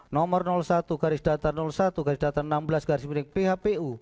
nomor satu garis data satu garis data enam belas garis milik phpu